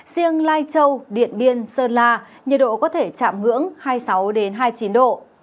riêng lai châu điện biên sơn la nhiệt độ có thể chạm ngưỡng hai mươi sáu hai mươi chín độ